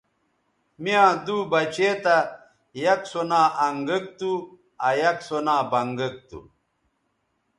می یاں دُو بچے تھا یک سو نا انگک تھو آ یک سو نا بنگک تھو